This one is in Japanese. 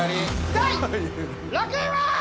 第６位は！